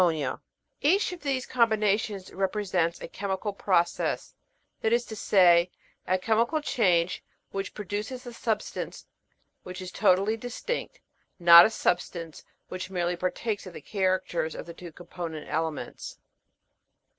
These combinations are usually graphically expressed thus: Each of these combinations represents a chemical process, that is to say, a chemical change which produces a substance which is totally distinct, not a substance which merely partakes of the characters of the two component elements.